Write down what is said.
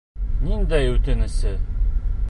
Ниндәй үтенесе?!